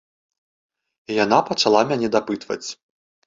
І яна пачала мяне дапытваць.